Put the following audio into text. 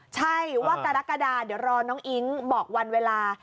ใช่ว่ากรกฎาเดี๋ยวรอน้องอิ๊งบอกวันเวลา